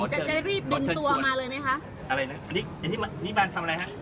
จะรีบดึงตัวมาเลยนะครับอะไรนะอันนี้อันนี้บ้านทำอะไรฮะ